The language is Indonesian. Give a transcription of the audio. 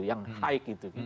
yang high gitu